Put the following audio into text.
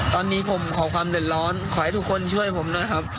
ตอนนี้ผมขอความเดือดร้อนขอให้ทุกคนช่วยผมหน่อยครับ